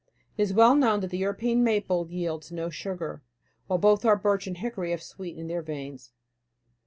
It is well known that the European maple yields no sugar, while both our birch and hickory have sweet in their veins.